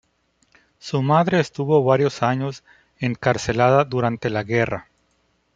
Su madre estuvo varios años encarcelada durante la guerra.